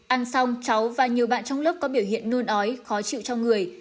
ăn xong cháu và nhiều bạn trong lớp có biểu hiện nôn ói khó chịu trong người